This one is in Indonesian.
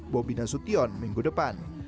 bobbina sution minggu depan